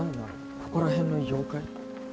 ここら辺の妖怪？